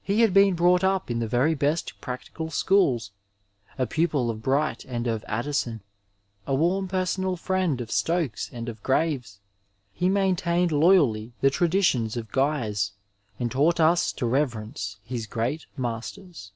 He had been brought up in the very best practical schools. A pupil of Bright and of Ad dison, a warm personal friend of Stokes and of Graves, he maintained loyally the traditions of Guy's, and taught us to reverence his great masters.